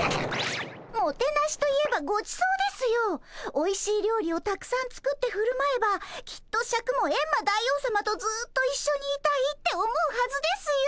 おいしい料理をたくさん作ってふるまえばきっとシャクもエンマ大王さまとずっといっしょにいたいって思うはずですよ。